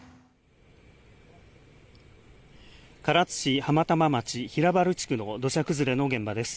唐津市浜玉町平原地区の土砂崩れの現場です。